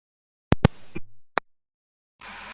Allí comenzó formalmente su carrera artística.